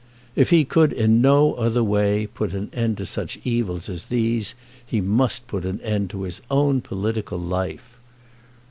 If he could in no other way put an end to such evils as these, he must put an end to his own political life.